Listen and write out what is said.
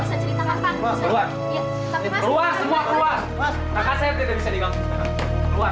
takkan saya tidak bisa dikampung sekarang keluar